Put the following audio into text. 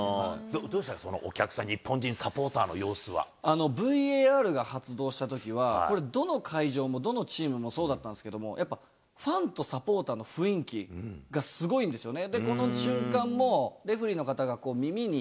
どうでした、お客さん、ＶＡＲが発動したときは、これ、どの会場も、どのチームもそうだったんですけれども、やっぱファンとサポーターの雰囲気がすごいんですよね。